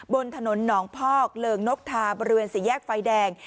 บนถนนหนองพอกเริงนกทาบริเวณสี่แยกไฟแดง